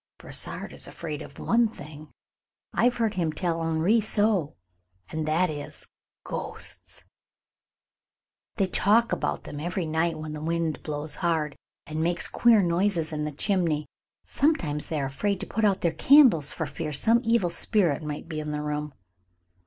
"Brossard is afraid of one thing, I've heard him tell Henri so, and that is ghosts. They talk about them every night when the wind blows hard and makes queer noises in the chimney. Sometimes they are afraid to put out their candles for fear some evil spirit might be in the room."